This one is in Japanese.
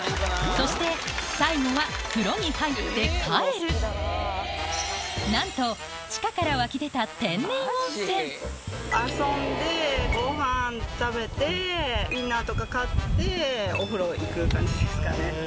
そして最後はなんと地下から湧き出た遊んでご飯食べてウインナーとか買ってお風呂行く感じですかね。